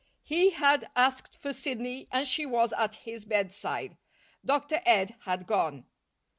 He had asked for Sidney and she was at his bedside. Dr. Ed had gone.